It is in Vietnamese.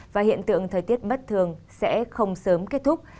và hiện tượng thời tiết bất thường sẽ không sớm kết thúc